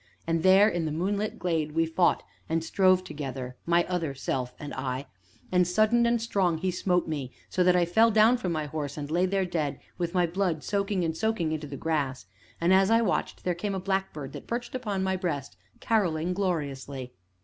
And there, in the moonlit glade, we fought, and strove together, my Other Self and I. And, sudden and strong he smote me, so that I fell down from my horse, and lay there dead, with my blood soaking and soaking into the grass. And, as I watched, there came a blackbird that perched upon my breast, carolling gloriously.